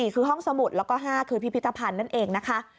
คือห้องสมุดแล้วก็๕คือพิพิธภัณฑ์นั่นเองนะคะ